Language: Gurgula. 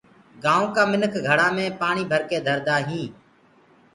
گآئونٚ ڪآ مِنک گھڙآ مي پآڻي ڀرڪي ڌردآ هينٚ